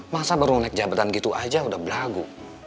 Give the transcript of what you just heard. masa baru naik jabatan gitu aja udah ragu